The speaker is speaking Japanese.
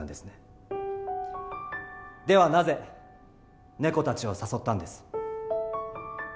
ではなぜネコたちを誘ったんです？